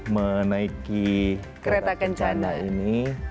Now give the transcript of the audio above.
menaiki kereta kencana ini